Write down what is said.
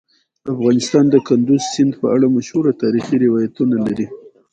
افغانستان د کندز سیند په اړه مشهور تاریخی روایتونه لري.